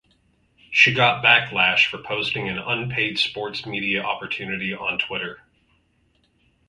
She got backlash for posting an unpaid sports media opportunity on Twitter.